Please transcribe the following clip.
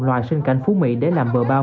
loại sinh cảnh phú mỹ để làm bờ bao